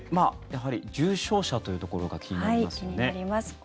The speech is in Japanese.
やはり重症者というところが気になりますよね。